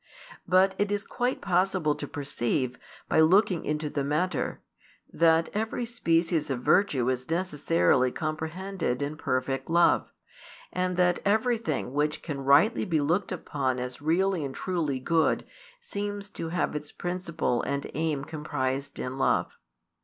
But it is quite possible to perceive, by looking into the matter, that every species of virtue is necessarily comprehended in perfect love, and that everything which can rightly be looked upon as really and truly good seems to have its principle and aim comprised in love.